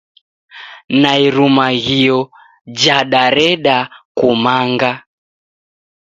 Na Irumaghio jadareda kumanga